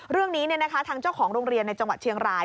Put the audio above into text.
เรื่องนี้ทางเจ้าของโรงเรียนในจังหวัดเชียงราย